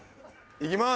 いきます！